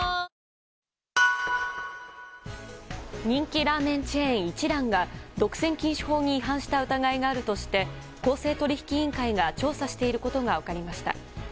人気ラーメンチェーン一蘭が独占禁止法に違反した疑いがあるとして公正取引委員会が調査していることが分かりました。